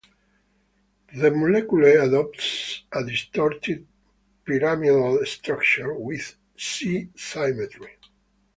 The molecule adopts a distorted pyramidal structure, with C symmetry.